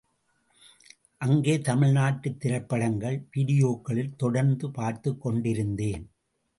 அங்கே தமிழ்நாட்டுத் திரைப்படங்கள் வீடியோக்களில் தொடர்ந்து பார்த்துக் கொண்டிருந்தேன்.